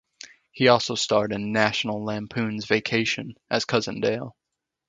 He also starred in "National Lampoon's Vacation" as Cousin Dale.